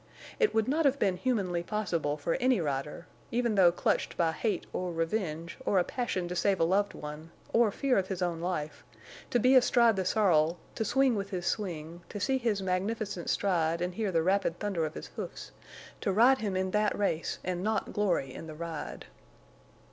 It would not have been humanly possible for any rider, even though clutched by hate or revenge or a passion to save a loved one or fear of his own life, to be astride the sorrel to swing with his swing, to see his magnificent stride and hear the rapid thunder of his hoofs, to ride him in that race and not glory in the ride.